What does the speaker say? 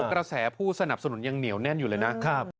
กระแสผู้สนับสนุนยังเหนียวแน่นอยู่เลยนะ